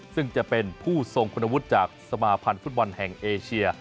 ซึ่งจะเป็นผู้ทรงคุณวุฒิจากสมาพันธ์ฟุตบอลแห่งเอเชีย